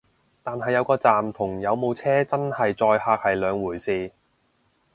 但係有個站同有冇車真係載客係兩回事